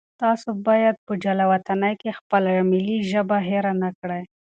تاسو باید په جلاوطنۍ کې خپله ملي ژبه هېره نه کړئ.